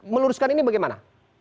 meluruskan ini bagaimana